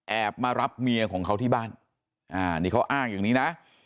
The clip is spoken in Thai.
มารับเมียของเขาที่บ้านนี่เขาอ้างอย่างนี้นะ